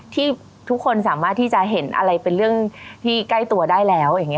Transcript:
ที่ทุกคนสามารถที่จะเห็นอะไรเป็นเรื่องที่ใกล้ตัวได้แล้วอย่างนี้